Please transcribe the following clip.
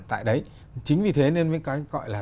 tại đấy chính vì thế nên với cái gọi là